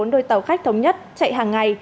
bốn đôi tàu khách thống nhất chạy hàng ngày